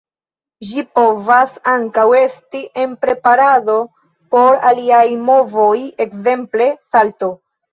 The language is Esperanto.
Ĝi povas ankaŭ esti en preparado por aliaj movoj, ekzemple salto.